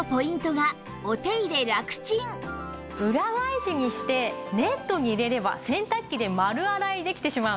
裏返しにしてネットに入れれば洗濯機で丸洗いできてしまうんです。